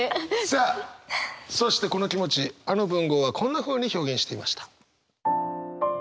さあそしてこの気持ちあの文豪はこんなふうに表現していました。